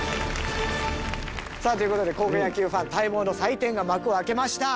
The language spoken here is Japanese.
さあという事で高校野球ファン待望の祭典が幕を開けました。